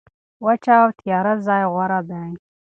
وچه او تیاره ځای غوره دی.